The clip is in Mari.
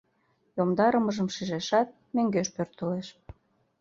Йомдарымыжым шижешат, мӧҥгеш пӧртылеш.